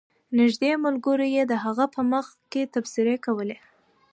نږدې ملګرو یې د هغه په مخ کې تبصرې کولې.